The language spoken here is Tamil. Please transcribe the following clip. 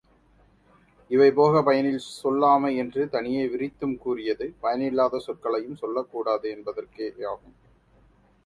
இவை போக பயனில் சொல்லாமை என்று தனியே விரித்தும் கூறியது, பயனில்லாத சொற்களையும் சொல்லக்கூடாது என்பதற்கே யாகும்.